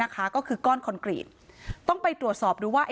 ก็คือก้อนคอนกรีตต้องไปตรวจสอบดูว่า